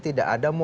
tidak ada momen